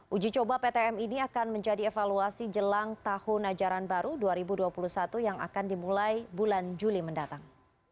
uji coba ptm ini akan menjadi evaluasi jelang tahun ajaran baru dua ribu dua puluh satu yang akan dimulai bulan juli mendatang